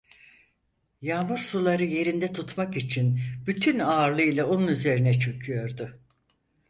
Yağmur suları yerinde tutmak için bütün ağırlığıyla onun üzerine çöküyordu.